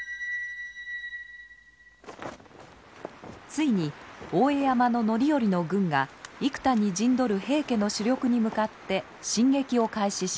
ついに大江山の範頼の軍が生田に陣取る平家の主力に向かって進撃を開始します。